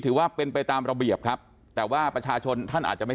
ถือว่าเป็นไปตามระเบียบครับแต่ว่าประชาชนท่านอาจจะไม่